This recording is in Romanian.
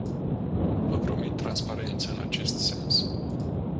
Vă promit transparență în acest sens.